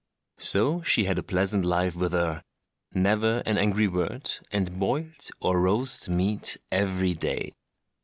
So she had a pleasant life with her; never an angry word; and boiled or roast meat every day.